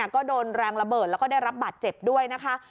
ก็โดนแรงระเบิดแล้วก็ได้รับบาดเจ็บด้วยนะคะ